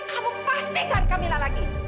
kamu pasti cari kamila lagi